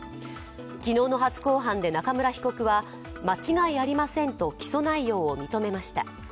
昨日の初公判で中村被告は間違いありませんと起訴内容を認めました。